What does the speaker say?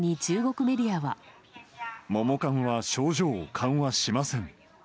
桃缶は症状を緩和しません。